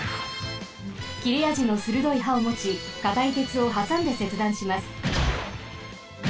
きれあじのするどいはをもちかたいてつをはさんでせつだんします。